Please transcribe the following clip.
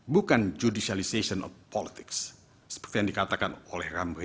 bukan judicialization of politics seperti yang dikatakan oleh ram hirsi